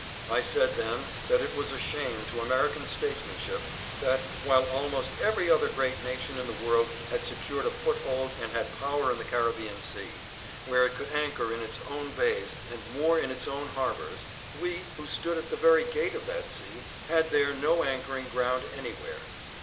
I said then that it was a shame to American statesman ship that, while almost every other great nation in the world had secured a foothold and had power in the Caribbean Sea, where it could anchor in its own bays and moor in its own harbors, we, who stood at the very gate of that sea, had there no anchoring ground any where.